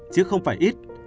chứ không phải ít